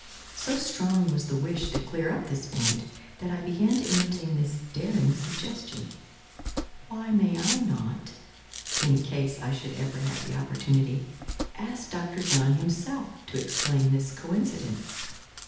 So strong was the wish to clear up this point that I began to entertain this daring suggestion: "Why may I not, in case I should ever have the opportunity, ask Dr. John himself to explain this coincidence?"